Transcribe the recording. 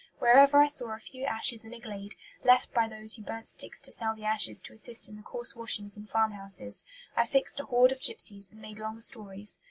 Wherever I saw a few ashes in a glade, left by those who burnt sticks to sell the ashes to assist in the coarse washings in farmhouses, I fixed a hoard of gipsies and made long stories.